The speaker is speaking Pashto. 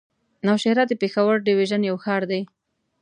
نوشهره د پېښور ډويژن يو ښار دی.